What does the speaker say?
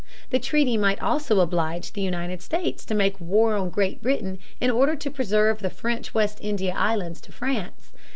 The treaty might also oblige the United States to make war on Great Britain in order to preserve the French West India Islands to France.